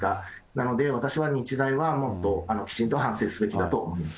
なので、私は日大はもっときちんと反省すべきだと思います。